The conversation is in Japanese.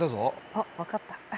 あっ分かった。